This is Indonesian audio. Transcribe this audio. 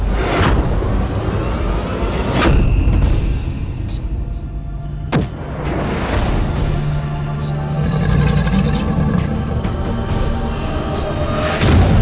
kau akan tehpeti